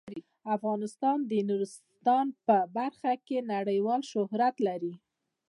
افغانستان د نورستان په برخه کې نړیوال شهرت لري.